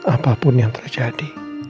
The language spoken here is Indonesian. apapun yang terjadi